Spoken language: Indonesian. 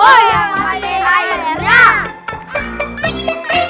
oh jadi kamu yang berani melihat